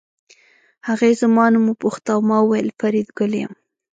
هغې زما نوم وپوښت او ما وویل فریدګل یم